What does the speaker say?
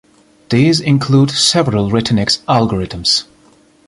These include several retinex algorithms.